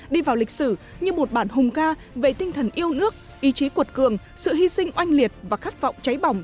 đi vào lịch sử như một bản hùng ca về tinh thần yêu nước ý chí cuột cường sự hy sinh oanh liệt và khát vọng cháy bỏng